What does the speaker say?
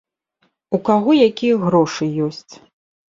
У каго якія грошы ёсць.